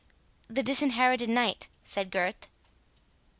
"The Disinherited Knight," said Gurth.